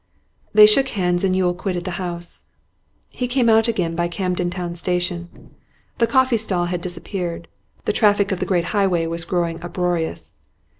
They shook hands, and Yule quitted the house. He came out again by Camden Town station. The coffee stall had disappeared; the traffic of the great highway was growing uproarious.